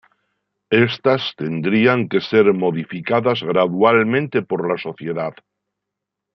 Estas tendrían que ser modificadas gradualmente por la sociedad.